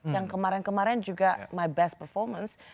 yang kemarin kemarin juga my best performance